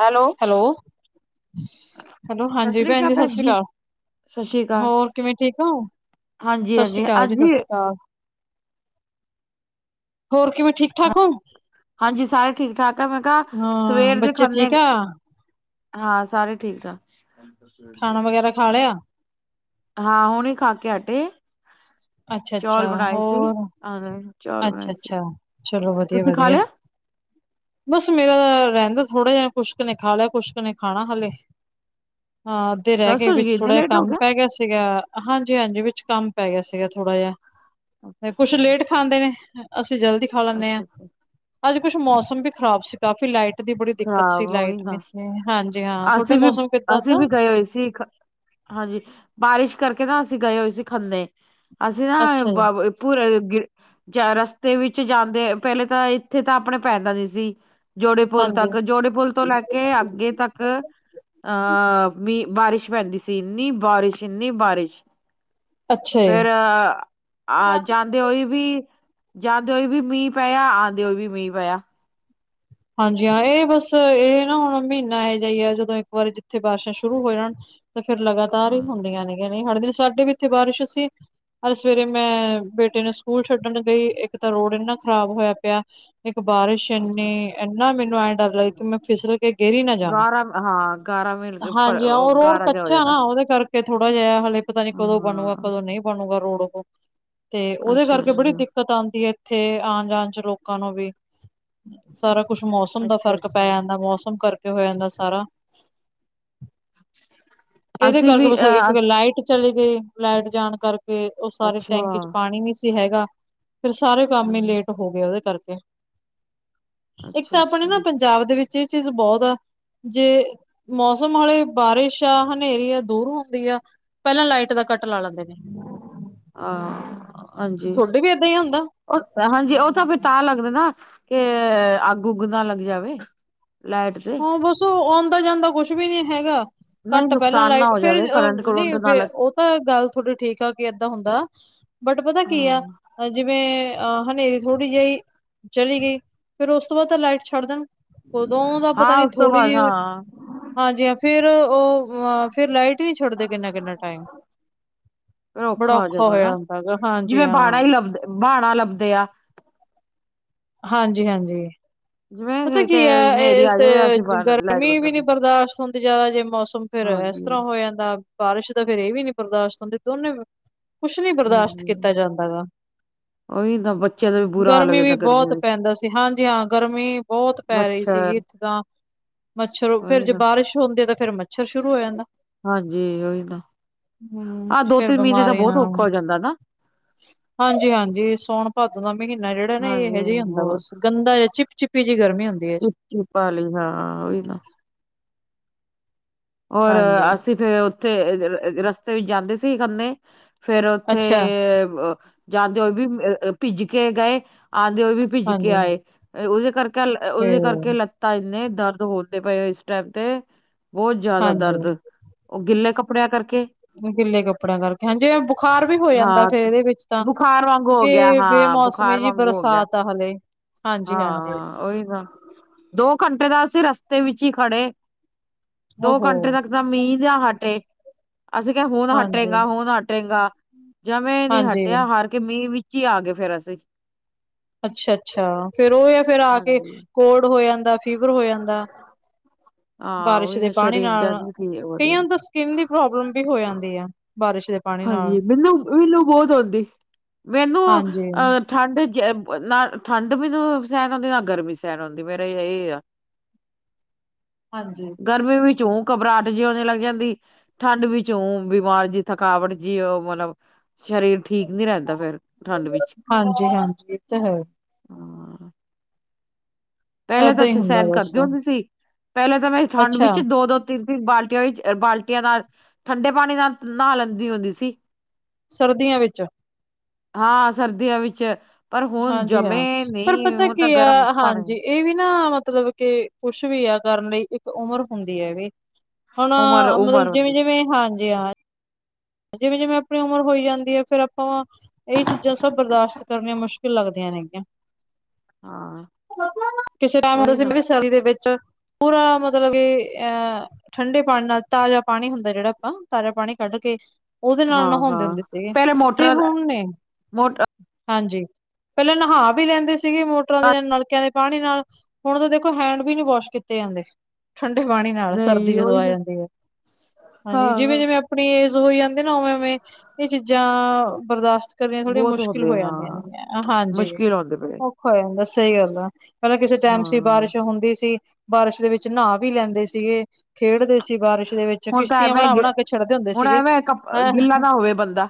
Hello? Hello, ਹਾਂਜੀ ਭੈਣ ਜੀ ਸਤਿ ਸ੍ਰੀ ਅਕਾਲ। ਸਤਿ ਸ੍ਰੀ ਅਕਾਲ ਹੋਰ ਕਿਵੇਂ ਠੀਕ ਹੋ, ਹਾਂਜੀ ਸਤਿ ਸ੍ਰੀ ਹਾਂਜੀ ਅਕਾਲ ਜੀ ਸਤਿ ਹਾਂਜੀ ਸ੍ਰੀ ਅਕਾਲ। ਹੋਰ ਕਿਵੇਂ ਠੀਕ ਠਾਕ ਹੋ। ਹਾਂਜੀ, ਸਾਰੇ ਠੀਕ ਠਾਕ ਆ, ਮੈਂ ਕਿਹਾ ਸਵੇਰ ਦੇ ਖਨ੍ਹੇ ਕਿਆ। ਹਾਂ ਸਾਰੇ ਠੀਕ ਠਾਕ ਆ। ਖਾਣਾ ਵਗੈਰਾ ਖਾ ਲਿਆ। ਹਾਂ ਹੁਣੇ, ਖਾ ਕੇ ਹਟੇ। ਅੱਛਾ ਅੱਛਾ, ਚੌਲ ਬਣਾਏ ਸੀ ਹੋਰ ਹਾਂ ਚੌਲ ਅੱਛਾ ਬਣਾਏ ਸੀ ਅੱਛਾ, ਚਲੋ ਵਧੀਆ ਤੁਸੀਂ ਖਾ ਵਧੀਆ। ਲਿਆ ਬਸ ਮੇਰਾ ਰਹਿੰਦਾ ਥੋੜ੍ਹਾ ਜਿਹਾ, ਕੁਛਕ ਨੇ ਖਾ ਲਿਆ ਕੁਛਕ ਨੇ ਖਾਣਾ ਹੱਲੇ। ਹਾਂ ਅੱਧੇ ਰਹਿ ਦਸ ਗਏ, ਵਜ ਵਿੱਚ ਇੰਨੇ ਥੋੜ੍ਹਾ ਜਿਹਾ ਲੇਟ ਹੋ ਕੰਮ ਪੈ ਗਿਆ ਸੀਗਾ। ਹਾਂਜੀ ਹਾਂਜੀ ਵਿੱਚ ਕੰਮ ਪੈ ਗਿਆ ਸੀਗਾ ਥੋੜਾ ਜਿਹਾ, ਅੱਛਾ ਕੁਝ ਲੇਟ ਖਾਂਦੇ ਨੇ, ਅਸੀਂ ਜਲਦੀ ਖਾ ਲੈਂਦੇ ਅੱਛਾ ਹਾਂ, ਅੱਛਾ ਅੱਜ ਕੁਛ ਮੌਸਮ ਵੀ ਖ਼ਰਾਬ ਸੀ। ਕਾਫੀ ਲਾਈਟ ਦੀ ਬੜੀ ਦਿੱਕਤ ਖਰਾਬ ਸੀ, ਹੋ ਗਈ ਲਾਈਟ ਨਾ ਨਹੀਂ ਸੀ, ਹਾਂਜੀ ਹਾਂ ਤੁਹਾਡੇ ਅਸੀਂ ਵੀ ਮੌਸਮ ਕਿੱਦਾਂ ਅਸੀਂ ਦਾ। ਵੀ ਗਏ ਹੋਏ ਸੀ ਹਾਂਜੀ, ਬਾਰਿਸ਼ ਕਰਕੇ ਨਾ, ਅਸੀਂ ਗਏ ਹੋਏ ਸੀ ਖੰਨੇ ਅਸੀਂ ਅੱਛਾ ਜੀ ਨਾ ਪੂਰੇ ਚਾਰ ਰਸਤੇ ਵਿੱਚ ਜਾਂਦੇ, ਪਹਿਲੇ ਤਾਂ ਇੱਥੇ ਤਾਂ ਆਪਣੇ ਪੈਂਦਾ ਨਹੀਂ ਸੀ। ਜੋੜੇਪੁਲ ਹਾਂਜੀ ਤੱਕ, ਜੋੜੇ ਪੁਲ ਤੋਂ ਲੈ ਕੇ ਅੱਗੇ ਤੱਕ ਅਹ ਬਾਰਿਸ਼ ਪੈਂਦੀ ਸੀ, ਇੰਨੀ ਬਾਰਿਸ਼ ਇੰਨੀ ਬਾਰਿਸ਼ ਅੱਛਾ ਫਿਰ ਜੀ ਆਣ ਜਾਂਣ ਜਾਂਦੇ ਹੋਏ ਵੀ ਜਾਂਦੇ ਹੋਏ ਵੀ ਮੀਂਹ ਪਿਆ, ਆਉਂਦੇ ਹੋਏ ਵੀ ਮੀਂਹ ਪਿਆ। ਹਾਂਜੀ ਹਾਂ ਇਹ ਬਸ ਇਹ ਨਾ ਹੁਣ ਮਹੀਨਾ ਇਹੋ ਜਿ ਹੀ ਹੈ, ਜਦੋਂ ਇੱਕ ਵਾਰੀ ਜਿੱਥੇ ਬਾਰਿਸ਼ਾਂ ਸ਼ੁਰੂ ਹੋ ਜਾਣ। ਤੇ ਫਿਰ ਲਗਾਤਾਰ ਹੀ ਹਾਂ, ਹੁੰਦੀਆਂ ਨੇਗੀਆਂ ਨਹੀ ਹਟਦੀਆਂ, ਸਾਡੇ ਵੀ ਇੱਥੇ ਬਾਰਿਸ਼ ਸੀ। ਅੱਜ ਸਵੇਰੇ ਮੈਂ ਬੇਟੇ ਨੂੰ ਸਕੂਲ ਛੱਡਣ ਗਈ, ਇੱਕ ਤਾਂ ਰੋਡ ਇੰਨਾ ਖ਼ਰਾਬ ਹੋਇਆ ਪਿਆ। ਇੱਕ ਬਾਰਿਸ਼ ਅੱਛਾ ਐਨੀ। ਅੱਛਾ ਐਨਾ ਮੈਨੂੰ ਐ ਡਰ ਲੱਗੇ, ਕਿ ਮੈਂ ਫਿਸਲ ਕੇ ਗਿਰੀ ਨਾ ਜਾਵਾਂ। ਗਾਰਾ ਹਾਂ ਗਾਰਾ ਮਿਲ ਹਾਂਜੀ ਹਾਂ, ਉਹ ਰੋਡ ਗਾਰਾ ਜਿਹਾ ਹੋ ਕੱਚਾ ਜਾਂਦਾ ਨਾ। ਉਹਦੇ ਕਰਕੇ ਥੋੜਾ ਜਿਹਾ ਹਲੇੇ ਪਤਾ ਨੀ, ਕਦੋਂ ਬਣੂਗਾ ਹਾਂ ਕਦੋਂ ਨਹੀਂ ਬਣੂਗਾ ਰੋਡ ਉਹੋ। ਤੇ ਉਹਦੇ ਅੱਛਾ ਕਰਕੇ ਬੜੀ ਅੱਛਾ ਦਿੱਕਤ ਆਂਦੀ ਐ। ਏਥੇ ਆਣ ਜਾਣ ਚ ਲੋਕਾਂ ਨੂੰ ਵੀ ਸਾਰਾ ਕੁਛ ਮੌਸਮ ਦਾ ਫ਼ਰਕ ਪੈ ਅੱਛਾ-ਅੱਛਾ। ਜਾਂਦਾ, ਮੌਸਮ ਕਰਕੇ ਹੋ ਜਾਂਦਾ ਸਾਰਾ। [inaudible] ਇਹਦੇ ਅਸੀਂ ਕਰਕੇ ਵੀ ਬਸ ਅ ਇੱਕ ਲਾਈਟ ਚਲੀ ਗਈ, ਲਾਈਟ ਜਾਣ ਕਰਕੇ ਉਹ ਸਾਰੇ ਅੱਛਾ ਟੈਂਕੀ ਚ ਪਾਣੀ ਨੀ ਸੀ ਹੈਗਾ। ਫਿਰ ਸਾਰੇ ਕੰਮ ਹੀ ਹਾਂ ਲੇਟ ਹੋ ਗਏ ਉਹਦੇ ਕਰਕੇ, ਇੱਕ ਤਾਂ ਆਪਣੇ ਅੱਛਾ-ਅੱਛਾ ਨਾ ਪੰਜਾਬ ਦੇ ਵਿੱਚ ਇਹ ਚੀਜ਼ ਬਹੁਤ ਆ, ਜੇ ਮੌਸਮ ਆਲੇ ਬਾਰਿਸ਼ ਆ ਹਨਾ ਹਨੇਰੀਆ ਦੂਰ ਹੁੰਦੀ ਆ, ਪਹਿਲਾਂ ਲਾਈਟ ਦਾ ਕੱਟ ਲਾ ਲੈਂਦੇ ਨੇ, ਹਾਂ ਹਾਂਜੀ ਥੋਡੇ ਵੀ ਏਦਾਂ ਹੀ ਹੁੰਦਾ। ਉਹ ਹਾਂਜੀ ਉਹ ਤਾਂ ਫੇਰ ਤਾਂ ਲੱਗਦਾ ਨਾ, ਕਿ ਅੱਗ ਉੱਗ ਨਾ ਲੱਗ ਜਾਵੇ। ਲੈਟ। ਹਾਂ ਬਸ, ਆਉਂਦਾ ਜਾਂਦਾ ਕੁਛ ਵੀ ਨੀ ਹੈਗਾ। ਨਹੀਂ ਕੱਟ ਪਹਿਲਾਂ, ਨੁਕਸਾਨ ਲਾਈਟ ਨਾ ਹੋ ਫੇਰ ਜਾਵੇ ਕਰੰਟ ਕਰੰਟ ਨੀ ਨਾ ਫੇਰ ਲੱਗ ਓਹ ਪਰ ਗੱਲ ਥੋਡੀ ਠੀਕ ਆ ਕਿ ਏਦਾਂ ਹੁੰਦਾ, ਬਟ ਪਤਾ ਕੀ ਆ। ਹਾਂ ਜਿਵੇਂ ਅ ਹਨੇਰੀ ਥੋੜ੍ਹੀ ਜਿਹੀ ਚਲੀ ਗਈ, ਫੇਰ ਉਸ ਤੋਂ ਬਾਅਦ ਤਾਂ ਲਾਈਟ ਛੱਡ ਦੇਣ, ਉਦੋਂ ਦਾ ਪਤਾ ਹਾਂ ਨੀ ਉਸ ਤੋਂ ਥੋੜੀ ਬਾਅਦ ਜੀ, ਹਾਂ ਹਾਂਜੀ ਹਾਂ ਫੇਰ ਓਹ ਆ ਫੇਰ ਲਾਈਟ ਨੀ ਛੱਡਦੇ ਕਿੰਨਾ-ਕਿੰਨਾ ਟਾਈਮ। ਫਿਰ ਬੜਾ ਹੋ ਔਖਾ ਹੋਇਆ ਹੁੰਦਾ ਹੈਗਾ, ਹਾਂਜੀ ਹਾਂ। ਬਾੜਾ ਲੱਭਦੇ ਆ। ਹਾਂਜੀ-ਹਾਂਜੀ। ਪਤਾ ਜਿਵੇਂ ਕੀ ਕਿ ਐ, ਹਨੇਰੀ ਇਹ ਆ ਜਾਵੇ ਅਸੀਂ ਤੇ ਬਾਹਰ ਲਾਈਟ ਗਰਮੀ ਬੰਦ ਵੀ ਨੀ ਕਰਦੀ ਬਰਦਾਸ਼ਤ ਹੁੰਦੀ ਜ਼ਿਆਦਾ ਜੇ ਮੌਸਮ ਫੇਰ ਇਸ ਤਰ੍ਹਾਂ ਹਾਂਜੀ-ਹਾਂਜੀ ਹੋ ਜਾਂਦਾ ਬਾਰਿਸ਼ ਦਾ, ਫਿਰ ਇਹ ਵੀ ਨੀ ਬਰਦਾਸ਼ਤ ਹੁੰਦੇ, ਦੋਨੇ ਕੁਛ ਨੀ ਬਰਦਾਸ਼ਤ ਕੀਤਾ ਜਾਂਦਾ ਗਾ। ਉਹੀ ਤਾਂ ਬੱਚਿਆਂ ਦਾ ਵੀ ਬੁਰਾ ਹਾਲ ਹੋ ਗਰਮੀ ਵੀ ਜਾਂਦਾ ਗਰਮੀ ਬਹੁਤ ਵਿੱਚ ਪੈਂਦਾ ਸੀ, ਹਾਂਜੀ ਹਾਂ, ਗਰਮੀ ਬਹੁ ਬਹੁਤ ਪੈ ਰਹੀ ਮੱਛਰ ਸੀਗੀ, ਇੱਥੇ ਤਾਂ ਮੱਛਰ ਫੇਰ ਉਹੀ ਜੇ ਬਾਰ ਤਾਂ ਬਾਰਿਸ਼ ਹੁੰਦੀ ਐ, ਤਾਂ ਫੇਰ ਮੱਛਰ ਸ਼ੁਰੂ ਹੋ ਜਾਂਦਾ। ਹਾਂਜੀ ਉਹੀ ਨਾ, ਹੂੰ ਆਹ ਦੋ ਫੇਰ ਤਿੰਨ ਮਹੀਨੇ ਤਾਂ ਬਿਮਾਰੀਆਂ ਬਹੁਤ ਔਖਾ ਹੋ ਜਾਂਦਾ ਨਾ। ਹਾਂਜੀ-ਹਾਂਜੀ, ਸੌਣ ਭਾਦੋਂ ਦਾ ਮਹੀਨਾ ਜਿਹੜਾ ਨਾ ਇਹ ਹਾਂਜੀ ਇਹੋ ਜਾ ਹੁੰਦਾ ਬਹੁਤ ਬਸ। ਗੰਦਾ ਜਾ, ਚਿੱਪ ਚਿਪੀ ਜੀ ਗਰਮੀ ਹੁੰਦੀ ਐ। ਬਾਹਲੀ ਹਾਂ, ਉਹੀ ਨਾ। ਔਰ ਹਾਂਜੀ, ਅਸੀਂ ਫੇਰ ਉੱਥੇ ਰਸਤੇ ਵਿੱਚ ਜਾਂਦੇ ਸੀ ਖੰਨੇ। ਫੇਰ ਉੱਥੇ ਅੱਛਾ ਜਾਂਦੇ ਹੋਏ ਵੀ ਭਿੱਜ ਕੇ ਗਏ। ਆਂਦੇ ਹੋਏ ਵੀ ਭਿੱਜ ਕੇ ਹਾਂਜੀ, ਆਏ, ਉਹਦੇ ਕਰਕੇ ਆ ਤੇ ਲੱ-ਉਹਦੇ ਕਰਕੇ ਲੱ ਤਾਂ ਇੰਨੇ ਦਰਦ ਹੁੰਦੇ ਪਏ ਸੀ, ਇਸ ਟਾਈਮ ਤੇ। ਬਹੁਤ ਜ਼ਿਆਦਾ ਹਾਂਜੀ। ਦਰਦ, ਉਹ ਗਿੱਲੇ ਕੱਪੜਿਆਂ ਕਰਕੇ। ਗਿੱਲੇ ਕੱਪੜਿਆਂ ਕਰਕੇ, ਹਾਂ ਜਿਵੇਂ ਬੁਖਾਰ ਵੀ ਹੋ ਜਾਂਦਾ ਹਾਂ ਫੇਰ ਇਹਦੇ ਵਿੱਚ ਤਾਂ। ਬੁਖਾਰ ਵਾਂਗੂ ਹੋ ਗਿਆ ਕਿਉਂਕਿ ਬੇ ਹਾਂ ਮੌਸਮੀ ਬੁਖਾਰ ਜੀ ਵਾਂਗੂ ਹੋ ਗਿਆ ਬਰਸਾਤ ਆ ਹਲੇ। ਹਾਂਜੀ-ਹਾਂਜੀ ਹਾਂ ਉਹੀ ਤਾਂ, ਦੋ ਘੰਟੇ ਤਾਂ ਅਸੀਂ ਰਸਤੇ ਵਿੱਚ ਹੀ ਖੜੇ। ਦੋ ਓਹੋ ਘੰਟੇ ਤੱਕ ਤਾਂ ਮੀਂਹ ਜਾ ਹਟੇ। ਅਸੀਂ ਕਿਹਾ ਹੁਣ ਹਾਂਜੀ, ਹਟੇਗਾ-ਹੁਣ ਹਟੇਗਾ, ਜਮੀਂ ਨੀ ਹਾਂਜੀ ਹਟਿਆ ਹਾਰ ਕੇ ਮੀਂਹ ਵਿੱਚ ਹੀ ਆ ਗਏ ਫੇਰ ਅਸੀਂ। ਅੱਛਾ-ਅੱਛਾ, ਫੇਰ ਉਹ ਆ ਫਿਰ ਆ ਕੇ ਹਾਂਜੀ ਕੋਲਡ ਹੋ ਜਾਂਦਾ, ਫੀਵਰ ਹੋ ਜਾਂਦਾ। ਹਾਂ ਬਾਰਿਸ਼ ਉਹੀ ਦੇ ਨਾ ਪਾਣੀ ਸਰੀਰ ਨਾਲ ਜਦ ਵੀ ਠੀਕ ਵਧੀਆ ਕਈਆਂ ਨੂੰ ਤਾਂ। ਸਕਿੰਨ ਦੀ ਪ੍ਰੋਬਲਮ ਵੀ ਹੋ ਜਾਂਦੀ ਆ, ਬਾਰਿਸ਼ ਦੇ। ਪਾਣੀ ਨਾਲ ਹਾਂਜੀ, ਮੈਨੂੰ-ਮੈਨੂੰ ਬਹੁਤ ਹੁੰਦੀ ਮੈਨੂੰ ਹਾਂਜੀ, ਅਹ। ਠੰਡ ਜ ਨਾ ਠੰਡ ਮੈਨੂੰ ਸਹਿਣ ਹੁੰਦੀ, ਨਾ ਗਰਮੀ ਸਹਿਣ ਹੁੰਦੀ, ਮੇਰੇ ਇਹ ਆ। ਹਾਂਜੀ। ਗਰਮੀ ਵਿੱਚ ਔ ਘਬਰਾਹਟ ਜੀ ਹੋਣੇ ਲੱਗ ਜਾਂਦੀ ਠੰਡ ਵਿੱਚ ਓ ਬਿਮਾਰ ਜੀ ਥੱਕ ਥਕਾਵਟ ਜੀ ਉਹ ਮਤਲਬ ਸਰੀਰ ਠੀਕ ਨਹੀਂ ਰਹਿੰਦਾ ਫੇਰ। ਠੰਡ ਵਿੱਚ ਹਾਂਜੀ-ਹਾਂਜੀ ਇਹ ਤੇ ਹੈ। ਹਾਂ। ਪਹਿਲਾਂ ਤਾਂ ਏਦਾਂ ਹੀ ਅਸੀ ਹੁੰਦਾ ਸਹਿਣ ਬਸ ਕਰਦੇ ਹੁੰਦੇ ਸੀ ਪਹਿਲਾਂ ਤਾਂ ਮੈਂ ਠੰਡ ਅੱਛਾ ਵਿੱਚ ਦੋ-ਦੋ ਤਿੰਨ-ਤਿੰਨ ਬਾਲਟੀਆਂ ਵੀ, ਬਾਲਟੀਆਂ ਨਾਲ ਠੰਡੇ ਪਾਣੀ ਨਾਲ ਨਹਾ ਲੈਂਦੀ ਹੁੰਦੀ ਸੀ। ਸਰਦੀਆਂ ਵਿੱਚ? ਹਾਂ ਸਰਦੀਆਂ ਵਿੱਚ। ਪਰ ਹੁਣ ਹਾਂਜੀ ਜਮੇ ਹਾਂ ਪਰ ਨਹੀਂ ਪਤਾ ਹੁਣ ਤਾਂ ਕੀ ਆ ਗਰਮ ਹਾਂਜੀ ਪਾਣੀ ਇਹ ਵੀ ਨਾ ਮਤਲਬ ਕੇ ਕੁੱਛ ਵੀ ਆ ਕਰਨ ਲਈ ਇੱਕ ਉਮਰ ਹੁੰਦੀ ਐ ਇਹ ਵੀ ਉਮਰ ਹੈਣਾ ਉਮਰ ਮਤਲਬ ਹੁੰਦੀ ਜਿਵੇਂ-ਜਿਵੇਂ ਹਾਂਜੀ ਹਾਂ ਜਿਵੇਂ-ਜਿਵੇਂ ਆਪਣੀ ਉਮਰ ਹੋਈ ਜਾਂਦੀ ਫੇਰ ਆਪਾਂ ਇਹੀ ਚੀਜ਼ਾਂ ਸਭ ਬਰਦਾਸ਼ਤ ਕਰਨੀਆਂ ਮੁਸ਼ਕਿਲ ਲੱਗਦੀਆਂ ਨੇ ਹੈਗੀਆਂ। ਹਾਂ ਕਿਸੇ [unintelligible] ਉਹੀ ਨਾ [unintelligible] ਦੇ ਵਿੱਚ ਪੂਰਾ ਮਤਲਬ ਕਿ ਅਹ ਠੰਡੇ ਪਾਣੀ ਨਾਲ ਤਾਜ਼ਾ ਪਾਣੀ ਹੁੰਦਾ ਜਿਹੜਾ ਆਪਾਂ ਤਾਜਾਂ ਪਾਣੀ ਕੱਢ ਕੇ ਉਹਦੇ ਨਾਲ ਹਾਂ ਹਾਂ ਨਹਾਉਂਦੇ ਹੁੰਦੇ ਸੀਗੇ ਪਹਿਲੇ ਤੇ ਮੋਟਰਾਂ ਹੁਣੇ ਨੇ ਮੋਟਰ ਹਾਂਜੀ। ਪਹਿਲਾਂ ਨਹਾ ਵੀ ਲੈਂਦੇ ਸੀਗੇ ਮੋਟਰਾਂ ਦੇ ਜਾਂ ਨਲਕਿਆਂ ਦੇ ਪਾਣੀ ਨਾਲ ਹੁਣ ਤਾਂ ਦੇਖੋ ਹੈਂਡ ਵੀ ਨੀ ਵਾਸ਼ ਕੀਤੇ ਜਾਂਦੇ। ਠੰਡੇ ਪਾਣੀ ਨਾਲ ਸਰਦੀ ਨਹੀਂ ਜਦੋਂ ਉਹੀ ਆ ਨਾ ਜਾਂਦੀ ਏ, ਹਾਂਜੀ ਜਿਵੇਂ ਹਾਂ ਜਿਵੇਂ ਆਪਣੀ ਏਜ਼ ਹੋਈ ਜਾਂਦੀ ਕਿੰਦੇ ਨਾ ਉਵੇਂ-ਉਵੇਂ ਇਹ ਚੀਜ਼ਾਂ ਬਰਦਾਸ਼ਤ ਕਰੀਆਂ ਥੋੜੀਆਂ ਬਹੁਤ ਮੁਸ਼ਕਿਲ ਹੁੰਦੇ ਹੋ ਹਾਂ ਜਾਂਦੀਆਂ ਨੇ ਹਾਂਜੀ ਮੁਸ਼ਕਿਲ ਹੁੰਦੇ ਪਏ ਹੋ ਜਾਂਦਾ। ਸਹੀ ਗੱਲ ਆ, ਪਹਿਲਾਂ ਕਿਸੇ ਟਾਈਮ ਸੀ ਹਾਂ ਬਾਰਿਸ਼ ਹੁੰਦੀ ਸੀ। ਬਾਰਿਸ਼ ਦੇ ਵਿੱਚ ਨਹਾ ਵੀ ਲੈਂਦੇ ਸੀਗੇ, ਖੇਡਦੇ ਸੀ ਬਾਰਿਸ਼ ਦੇ ਵਿੱਚ ਹੁਣ ਤਾਂ ਕਿਸ਼ਤੀਆਂ ਐਵੇਂ ਬਣਾ-ਬਣਾ ਕੇ ਛੱਡਦੇ ਹੁੰਦੇ ਹੁਣ ਸੀਗੇ ਐਵੇਂ ਕੱਪ ਹੈਂ ਗਿੱਲਾ ਨਾ ਹੋਵੇ ਬੰਦਾ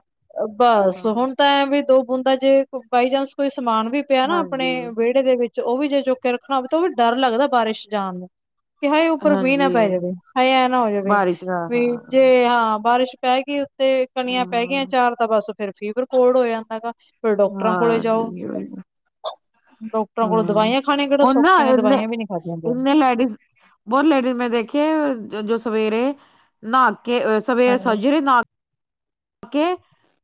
ਬਸ ਹਾਂ ਹੁਣ ਤਾਂ ਐ ਵੀ ਦੋ ਬੂੰਦਾ ਜੇ ਬਾਇ ਚਾਂਸ ਕੋਈ ਸਮਾਨ ਵੀ ਪਿਆ ਨਾ ਆਪਣੇ ਹਾਂਜੀ ਵਿਹ ਵੇਹੜੇ ਦੇ ਵਿੱਚ ਉਹ ਵੀ ਜੇ ਚੁੱਕ ਕੇ ਰੱਖਣਾ ਹੋਵੇ ਤਾਂ ਉਹ ਵੀ ਡਰ ਲੱਗਦਾ ਬਾਰਿਸ਼ ਜਾਣ ਨੂੰ। ਕਿ ਹਾਏ ਉੱਪਰ ਮੀਂਹ ਨਾ ਹਾਂਜੀ ਪੈ ਜਾਵੇ, ਹਏ ਐਂ ਨਾ ਹੋ ਜਾਵੇ ਬਾਰਿਸ਼ ਦਾ ਵੀ ਹਾਂ ਜੇ ਹਾਂ ਬਾਰਿਸ਼ ਪੈ ਗਈ ਉੱਤੇ ਕਣੀਆਂ ਪੈ ਗਈਆਂ ਹਮ ਚਾਰ ਤਾਂ ਬਸ ਫੇਰ ਫੀਵਰ ਕੋਲਡ ਹੋ ਜਾਂਦਾ ਗਾ। ਫਿਰ ਡਾਕਟਰਾਂ ਕੋਲ ਜਾਓ। ਹਾਂਜੀ ਡਾਕਟਰਾਂ ਕੋਲੋਂ ਹਾਂ ਦਵਾਈਆਂ ਖਾਣੇ ਕਿਹੜਾ ਉਹ ਨਾ ਸੌਖੇ ਨੇ ਇਨੇ ਦਵਾਈਆਂ ਵੀ ਨਹੀਂ ਖਾਦੀ ਜਾਦੀਆਂ। [unintelligible] ਬਹੁਤ ਲੈਡੀਜ਼ ਮੈਂ ਦੇਖੇ ਜੋ ਸਵੇਰੇ ਨਾਹ ਕੇ, ਸਵੇਰੇ ਜਾਂਦੀਆਂ ਸਜਰੇ ਨਾ ਕੇ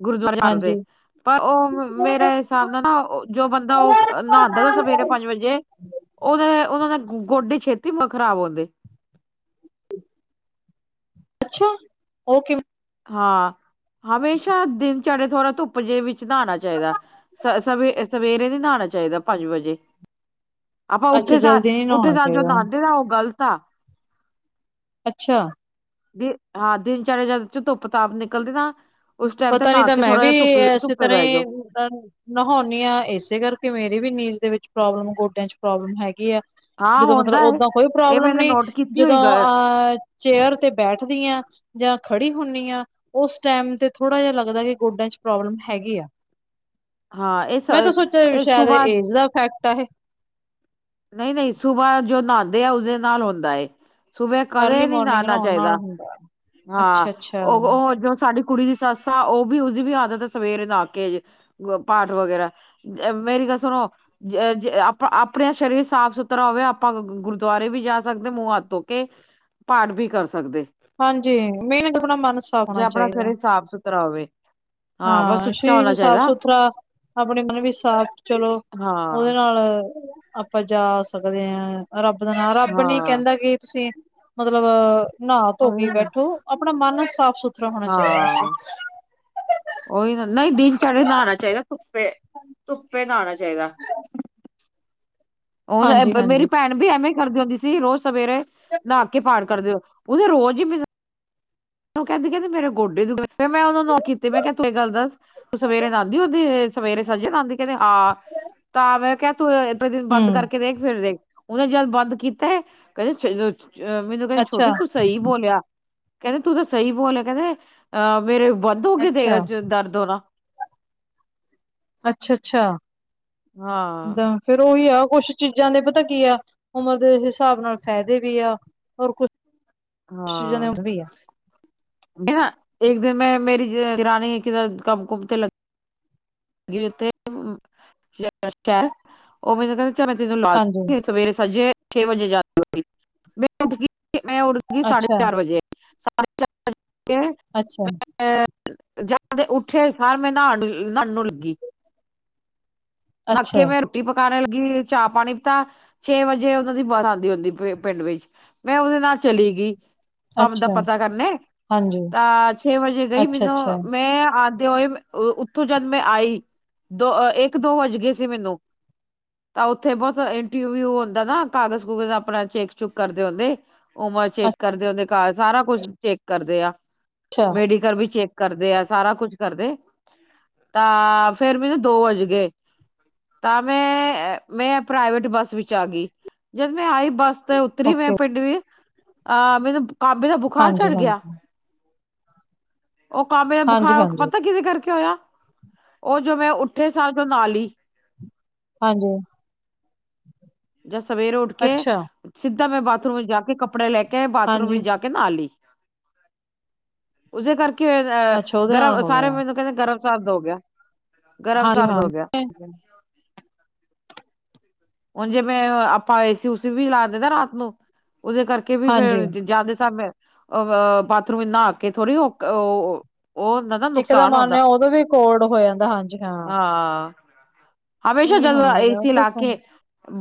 ਗੁਰਦੁਆਰੇ ਹਾਂਜੀ ਜਾਂਦੇ। ਪਰ ਉਹ ਮੇਰੇ ਹਿਸਾਬ ਨਾਲ ਨਾ, ਜੋ ਬੰਦਾ ਉਹ ਨਹਾਦਾ ਸਵੇਰੇ ਹਾਂਜੀ ਪੰਜ ਵਜੇ ਉਹਦੇ ਉਹਨਾਂ ਦੇ ਗੋਡੇ ਛੇਤੀ ਖ਼ਰਾਬ ਹੁੰਦੇ। ਅੱਛਾ, ਉਹ ਕਿਵੇਂ? ਹਾਂ, ਹਮੇਸ਼ਾ ਦਿਨਚਰਿਆ ਥੋੜਾ ਧੁੱਪ ਜੇ ਵਿੱਚ ਨਾ ਨਾਣਾ ਚਾਹੀਦਾ। ਸ ਸਵੇ ਸਵੇਰੇ ਨੀ ਨਹਾਣਾ ਚਾਹੀਦਾ ਪੰਜ ਵਜੇ। ਆਪਾਂ ਅੱਛਾ ਉੱਠੇ ਸਾਰ ਜਲਦੀ ਨੀ ਉੱਠੇ ਨਹਾਉਣਾ ਸਾਰ ਜੋ ਚਾਹੀਦਾ ਨਾਣਦੇ ਨਾ ਉਹ ਗ਼ਲਤ ਆ। ਅੱਛਾ। ਹਾਂ ਦਿਨਚਰਿਆ ਜਦ ਚ ਧੁੱਪ ਤਾਪ ਨਿਕਲਦੀ ਨਾ ਉਸ ਟਾਈਮ ਤੇ ਪਤਾ ਨੀ ਨਹਾ ਤਾਂ ਕੇ ਮੈਂ ਥੋੜਾ ਵੀ ਜਿਹਾ ਧੁੱਪ ਇਸੇ ਧੁੱਪੇ ਤਰ੍ਹਾਂ ਬਹਿ ਜਾਓ ਈ ਨਹਾਉਂਦੀ ਹਾਂ ਇਸੇ ਕਰਕੇ ਮੇਰੀ ਵੀ ਨੀਂਜ਼ ਦੇ ਵਿੱਚ ਪ੍ਰੋਬਲਮ, ਗੋਡਿਆਂ ਚ ਪ੍ਰੋਬਲਮ ਹੈਗੀ ਆ। ਹਾਂ ਜਦੋਂ ਮਤਲਬ ਹੁੰਦਾ ਏ। ਓਦਾਂ ਕੋਈ ਇਹ ਪ੍ਰੋਬਲਮ ਮੈਨੇ ਨਈ, ਨੋਟ ਕੀਤੀ ਹੋਈ ਜਦੋਂ ਗ ਅਹ ਚੇਅਰ ਤੇ ਬੈਠਦੀ ਹਾਂ ਜਾਂ ਖੜੀ ਹੁੰਦੀ ਹ ਉਸ ਟਾਈਮ ਤੇ। ਥੋੜਾ ਜਿਹਾ ਲੱਗਦਾ ਕਿ ਗੋਡਿਆਂ ਚ ਪ੍ਰੋਬਲਮ ਹੈਗੀ ਆ। ਹਾਂ ਇਹ ਸ ਮੈਂ ਤਾਂ ਸੋਚਿਆ ਇਹ ਸ਼ਾਇਦ ਸੁਬਾਹ ਏਜ ਦਾ ਇਫੈਕਟ ਆ ਇਹ। ਨਹੀਂ ਨਹੀਂ ਸੁਬਾਹ ਜੋ ਨਾਂਦੇ ਆ ਉਸਦੇ ਨਾਲ ਹੁੰਦਾ। ਸੁਬੇ ਅਰਲੀ ਕਦੇ ਨੀ ਮੋਰਨਿੰਗ ਨਾਨਾ ਨਹਾਉਣ ਨਾਲ ਚਾਹੀਦਾ ਹੁੰਦਾ। ਹਾਂ ਅੱਛਾ-ਅੱਛਾ ਉਹ ਉਹ ਜੋ ਸਾਡੀ ਕੁੜੀ ਦੀ ਸੱਸ ਆ ਉਹ ਵੀ ਉਸਦੀ ਵੀ ਆਦਤ ਹੈ ਸਵੇਰੇ ਨਾ ਕੇ ਪਾਠ ਵਗੈਰਾ। ਅ ਮੇਰੀ ਗੱਲ ਸੁਣੋ ਜ ਆਪਾ ਆਪਣੇ ਸਰੀਰ ਸਾਫ਼ ਸੁਥਰਾ ਹੋਵੇ ਆਪਾਂ ਗੁਰਦੁਆਰੇ ਵੀ ਜਾ ਸਕਦੇ ਮੂੰਹ ਹੱਥ ਧੋ ਕੇ ਪਾਠ ਵੀ ਕਰ ਸਕਦੇ। ਹਾਂਜੀ ਮੇਨ ਤ ਆਪਣਾ ਮਨ ਸਾਫ ਹੋਣਾ ਚਾਹੀਦਾ। ਕਰਾਵੇ ਹਾਂ ਸਰੀਰ ਵੀ ਸਾਫ਼ ਸੁਥਰਾ ਆਪਣੇ ਮਨ ਵੀ ਸਾਫ਼ ਚਲੋ। ਉਹਦੇ ਹਾਂ ਨਾਲ ਲ ਆਪਾਂ ਜਾ ਸਕਦੇ ਹਾਂ ਰੱਬ ਦਾ ਨਾਂ ਰੱਬ ਨੀ ਹਾਂ ਕਹਿੰਦਾ ਕਿ ਤੁਸੀਂ ਮਤਲਬ ਨਾ ਧੋ ਕੇ ਉਹੀ ਨਾ ਬੈਠੋ ਆਪਣਾ ਮਨ ਸਾਫ਼ ਸੁਥਰਾ ਹੋਣਾ ਚਾਹੀਦਾ ਸੀ। ਹਾਂ ਉਹੀ ਨਾ ਨਹੀਂ ਦਿਨਚਰੇ ਨਾਣਾ ਚਾਹੀਦਾ ਧੁੱਪੇ ਧੁੱਪੇ ਨਾਣਾ ਚਾਹੀਦਾ। ਹਾਂਜੀ ਉਹ ਹਾਂਜੀ ਮੇਰੀ ਭੈਣ ਵੀ ਐਵੇਂ ਕਰਦੀ ਹੁੰਦੀ ਸੀ ਰੋਜ਼ ਸਵੇਰੇ ਨਹਾ ਕੇ ਪਾਠ ਕਰਦੇ ਹੋ ਉਹਦੇ ਰੋਜ਼ ਹੀ ਮ ਉਹ ਕਹਿੰਦੀ ਕਹਿੰ ਦੀ ਮੇਰੇ ਗੋਡੇ ਮੈਂ ਉਹਨੂੰ ਕੀਤੇ ਮੈਂ ਕਿਹਾ ਤੂੰ ਇਹ ਗੱਲ ਦੱਸ। ਉਹ ਸਵੇਰੇ ਨਾਦੀ ਹੁੰਦੀ ਉਹਦੀ ਸਵੇਰੇ ਸਜੇ ਨਾਦੀ ਕਹਿੰਦੀ ਹਾਂ ਤਾਂ ਮੈਂ ਕਹਿ ਤੂੰ ਇ ਦਿਨ ਬੰਦ ਹੂੰ ਕਰਕੇ ਦੇਖ ਫਿਰ ਦੇਖ ਉਹਨੇ ਜਦ ਬੰਦ ਕੀਤਾ ਕਹਿੰਦੇ ਅਹ ਮੈਨੂੰ ਕਹਿੰਦੇ ਅੱਛਾ ਛੋਟੀ ਤੂੰ ਸਹੀ ਬੋਲਿਆ। ਕਹਿੰਦੇ ਤੂੰ ਸਹੀ ਬੋਲ ਕਹਿੰਦੇ ਅਹ ਮੇਰੇ ਵੱਧੋਗੇ ਦੇ ਅੱਛਾ ਦਰਦ ਹੋ ਨਾ ਅੱਛਾ ਹਾਂ ਅੱਛਾਦ। ਫੇਰ ਉਹੀ ਆ ਕੁਛ ਚੀਜ਼ਾਂ ਦੇ ਪਤਾੱਕੀ ਆ ਉਮਰ ਦੇ ਹਿਸਾਬ ਨਾਲ ਫਾਇਦੇ ਵੀ ਆ ਔਰ ਕੁਛ ਚੀਜ਼ਾਂ ਦੇ ਹਾਂ। ਵੀ ਆ ਨਾ ਇੱਕ ਦਿਨ ਮੈਂ ਮੇਰੀ ਦਰਾਣੀ ਕਿ ਕੰਮ ਕੁਮ ਤੇ ਲੱ ਉਥੇ ਸ਼ਹਿਰ ਉਹ ਮੈਨੂੰ ਕਹਿੰ ਚੈਂ ਤੈਨੂੰ ਲਾ ਹਾਂਜੀ [unintelligible] ਸਵੇਰੇ ਸੱਜੇ ਛੇ ਵਜੇ ਮੈਂ ਉੱਠ ਮੈਂ ਉੱਠ ਗ ਸਾਢੇ ਅੱਛਾ ਚਾਰ ਵਜੇ ਅੈਂ। ਅੱਛਾ [unintelligible] ਐ ਜੋ ਦੇ ਉੱਠੇ ਸਾਰ ਮੈਂ ਨਾਣ ਨੂੰ ਨਣ ਨੂੰ ਲੱਗੀ। ਨਾਕੇ ਅੱਛਾ ਮੇਰ ਰੋਟੀ ਪਕਾਣੇ ਲੱਗੀ, ਚਾਹ-ਪਾਣੀ ਪਤਾ ਛੇ ਵਜੇ ਉਹਨਾਂ ਦੀ ਬੜ ਆੰਦੀ ਹੁੰਦੀ ਪਿ ਪਿੰਡ ਵਿੱਚ। ਮੈਂ ਓਦੇ ਨਾਲ ਚਲੀ ਗੀ। ਕੰਮ ਦਾ ਅੱਛਾ ਪਤਾ ਕਰਨੇ, ਹਾਂਜੀ, ਤਾਂ ਛੇ ਵਜੇ ਗਈ ਮੈਨੂੰ ਅੱਛਾ-ਅੱਛਾ, ਮੈਂ ਤੇ ਔਏ ਉੱਥੋਂ ਜਦ ਮੈਂ ਆਈ, ਦੋਹ ਏਕ-ਦੋ ਵੱਜ ਗੇ ਸੀ ਮੈਨੂੰ। ਤਾਂ ਔਥੇ ਬੌਤ ਇੰਟੀਵੀਊ ਹੁੰਦਾ ਨਾ ਕਾਗਜ਼-ਕੂਗਜ਼ ਅਪਣਾ ਚੇਕ-ਚੁਕ ਕਰਦੇ ਹੋੰਦੇ। ਉਮਰ ਚੇਕ ਕਰਦੇ ਓਦੇ ਘਰ, ਸਾਰਾ ਕੁਛ ਚੇਕ ਕਰਦੇ ਆ। ਅੱਛਾ, ਮੈਡੀਕਲ ਵੀ ਚੈੱਕ ਕਰਦੇ ਆ ਸਾਰਾ ਕੁਛ ਕਰਦੇ ਤਾਂ ਫੇਰ ਮੇਨੂ ਦੋ ਵਜ ਗਏ ਤਾਂ ਮੈਂ ਮੈਂ ਪ੍ਰਾਈਵੇਟ ਬੱਸ ਵਿੱਚ ਆ ਗਈ ਜਦ ਮੈਂ ਆਈ ਬੱਸ ਤੇ ਉੱਤਰੀ ਮੈਂ ਓਕੇ, ਪਿੰਡ ਵੀ ਅਹ ਮੈਨੂੰ ਕਾਂਬੇ ਦਾ ਬੁਖਾਰ ਚੜ ਗਿਆ। ਹਾਂਜੀ-ਹਾਂਜੀ। ਉਹ ਕਾਂਬੇ ਦਾ ਬੁਖਾਰ ਹਾਂਜੀ-ਹਾਂਜੀ, ਪਤਾ ਕਿਦੇ ਕਰਕੇ ਹੋਇਆ ਉਹ ਜੋ ਮੈਂ ਉੱਠੇ ਸਾਰ ਜੋ ਨਾਲੀ ਹੀ ਹਾਂਜੀ। ਜਾਂ ਸਵੇਰੇ ਉੱਠ ਕੇ ਅੱਛਾ, ਸਿੱਧਾ ਮੈਂ ਬਾਥਰੂਮ ਵਿੱਚ ਜਾ ਕੇ ਕੱਪੜੇ ਲੈ ਕੇ ਬਾਥਰੂਮ ਹਾਂਜੀ, ਵਿੱਚ ਜਾ ਕੇ ਕੇ ਨਾਲੀ ਉਸੇ ਕਰਕੇ ਅਹ ਅੱਛਾ ਉਹਦੇ ਨਾਲ ਗਰਮ ਹੋ ਸਾਰੇ ਗਿਆ। ਮ ਕਹਿੰਦੇ ਗਰਮ ਸਰਦ ਹੋ ਗਿਆ। ਗਰਮ ਹਾਂਜੀ ਸਰਦ ਹਾਂ। ਹੋ ਗਿਆ ਹੁਣ ਜਿਵੇਂ ਆਪਾਂ ਏ ਸੀ ਊ ਸੀ ਵੀ ਲਾ ਦਿੰਦਾ ਰਾਤ ਨੂੰ ਉਹਦੇ ਕਰਕੇ ਕੇ ਵੀ ਹਾਂਜੀ ਫੇਰ ਜਾਂਦੇ ਸਾਬ ਅ ਬਾਥਰੂਮ ਨਾ ਕੇ ਥੋੜ੍ਹੀ ਉਹ ਉਹ ਨਾ ਇੱਕ ਤਾਂ ਨੁਕਸਾਨ ਹੁੰਦਾ ਮੰਨਦੇ ਉਦੋਂ ਵੀ ਕੋਲਡ ਹੋ ਜਾਂਦਾ ਹਾਂਜੀ ਹਾਂ। ਹਾਂ ਹਮੇਸ਼ਾ ਇਹ ਨੀ ਜਦ ਹੋਣਾ ਚਾਹੀਦਾ ਇਸੇ ਕੁਛ ਇਲਾਕੇ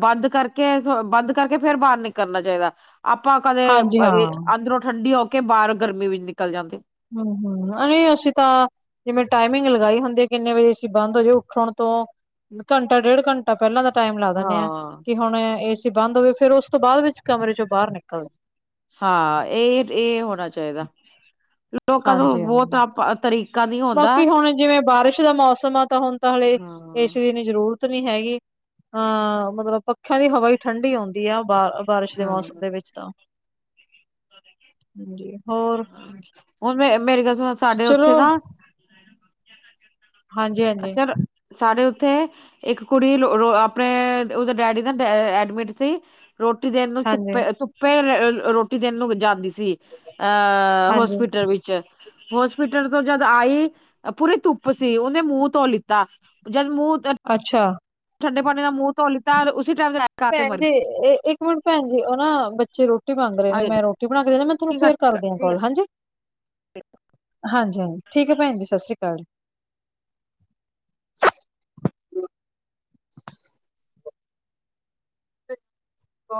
ਬੰਦ ਕਰਕੇ ਥੋ ਬੰਦ ਕਰਕੇ ਫੇਰ ਬਾਰ ਨੀ ਕਰਨਾ ਚਾਈਦਾ। ਅਪਾਂ ਕਦੇ ਹਾਂਜੀ ਬਏ ਹਾਂ, ਅੰਦਰੋਂ ਠੰਡੀ ਹੋ ਕੇ ਬਾਰ ਗਰਮੀ ਵਿੱਚ ਨਿਕਲ ਜਾਂਦੇ। ਹੰ ਹੰ ਅਰੇ ਅਸੀਂ ਤਾਂ ਕਿ ਮੈ ਟਾਈਮਿੰਗ ਲਗਾਈ, ਹੁੰਦੇ ਕਿੰਨੇ ਵਜੇ ਅਸੀਂ ਬੰਦ ਹੋ ਜੇ ਉੱਠਣ ਤੋਂ ਘੰਟਾ ਡੇਢ ਘੰਟ ਤਾ ਪੈਲਾਂ ਦਾ ਟਾਈਮ ਲਾ ਦਿਣੇ ਆਂ ਹਾਂ ਕਿ ਹੁਣ ਏ ਸੀ ਬੰਦ ਹੋਵੇ ਫੇਰ ਓਸ ਤੋਂ ਬਾਦ ਵਿੱਚ ਕਮਰੇ ਚੋਂ ਬਾਰ ਨਿਕਲਦੇ। ਹਾਂ, ਏਦ ਏ ਹੋਣਾ ਚਾਈਦਾ। ਲੋਕਾਂ ਨੂੰ ਹਾਂਜੀ ਹਾਂ। ਬੌਤ ਅਪ ਤਰੀਕ ਬਾਕੀ ਹੁਣ ਜਿਵੇਂ ਬਾਰਿਸ਼ ਦਾ ਮੌਸਮ ਆ ਤਾਂ ਹੁਣ ਤਾਂ ਹਾਲੇ ਹਾਂ ਏਸੀ ਦੀ ਨੀ ਜ਼ਰੂਰਤ ਨੀ ਹੈਗੀ। ਹਾਂ ਮਤਲਬ, ਪੱਖਿਆਂ ਦੀ ਹਵਾ ਈ ਠੰਡੀ ਔੰਦੀ ਆ, ਬਾਹ ਬਾਰਿਸ਼ ਦੇ ਹਾਂ ਮੌਸਮ ਦੇ ਵਿੱਚ ਤਾਂ। ਹਾਂਜੀ, ਹੋਰ? ਹੁਣ ਮੇ ਮੇਰੀ ਗਲ ਸੁਣੋ, ਸਾਡੇ ਚਲੋ ਔਥੇ ਨਾ ਹਾਂਜੀ, ਹਾਂਜੀ। ਸ ਸਾਰੇ ਉੱਥੇ ਇੱਕ ਕੁੜੀ ਰੋ ਆਪਣੇ ਉਦੇ ਡੈਡੀ ਨਾ ਡੈਅ ਐਡਮਿਟ ਸੀ। ਰੋਟੀ ਦੇਣ ਨੂੰ ਧੁੱਪੇ- ਹਾਂਜੀ-ਹਾਂਜੀ ਧੁੱਪੇ ਰੇ-ਰੋਟੀ ਦੇਣ ਨੂੰ ਜਾਂਦੀ ਸੀ। ਅਹ ਅਹ, ਹੋਸਪਿਟਲ ਵਿੱਚ। ਹੋਸਪਿਟਲ ਤੋਂ ਜਦ ਆਈ ਅ ਪੂਰੀ ਧੁੱਪ ਸੀ, ਔਨੇ ਮੂੰਹ ਧੋ ਲਿੱਤਾ, ਜਦ ਮੂੰਹ ਤ ਅੱਛਾ। ਠੰਡੇ ਪਾਣੀ ਨਾਲ ਮੂੰਹ ਧੋ ਲਿੱਤਾ ਔਰ ਉਸੀ ਟਾਈਮ ਅਟੈਕ ਆ ਕੇ ਭੈਣ ਮਰ ਗਈ ਜੀ, ਏਹ ਇੱਕ ਮਿੰਟ ਭੈਣ ਜੀ, ਓਹ ਨਾ ਬੱਚੇ ਰੋਟੀ ਮੰਗ ਰਹੇ ਨੇ ਮੈਂ ਰੋਟ ਤੂ ਬਣਾ ਕੇ ਦੇਦੇ, ਮੈਂ ਥੁਨੂੰ ਫੇਰ ਕਰਦੀ ਹਾਂ ਹਾਂਜੀ, ਕੋਲ, ਹਾਂਜੀ। ਹਾਂਜੀ- ਹਾਂਜੀ, ਠੀਕ ਏ ਭੈਣ ਜੀ ਸਤ ਸ੍ਰੀ ਕਾਲ। ਕੋ